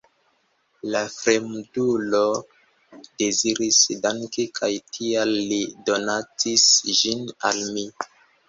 La fremdulo deziris danki kaj tial li donacis ĝin al mi.